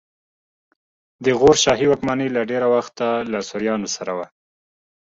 د غور شاهي واکمني له ډېره وخته له سوریانو سره وه